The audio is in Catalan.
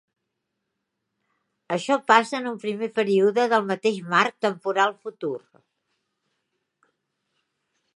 Això passa en un primer període del mateix marc temporal futur.